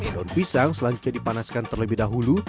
daun pisang selanjutnya dipanaskan terlebih dahulu